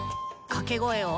掛け声を。